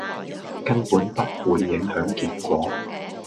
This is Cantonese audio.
根本不會影響結果